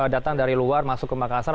datang dari luar masuk ke makassar